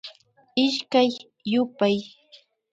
Ishkay yupay